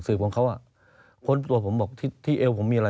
ของเขาค้นตัวผมบอกที่เอวผมมีอะไร